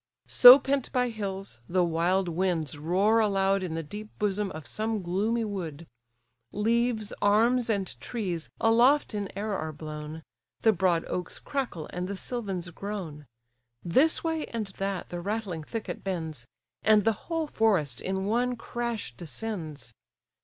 So pent by hills, the wild winds roar aloud In the deep bosom of some gloomy wood; Leaves, arms, and trees, aloft in air are blown, The broad oaks crackle, and the Sylvans groan; This way and that, the rattling thicket bends, And the whole forest in one crash descends.